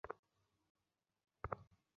অশ্রু দিয়ে লেখা এ গান যেন ভুলে যেওনা।